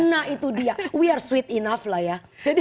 nah itu dia we are sweet enough lah ya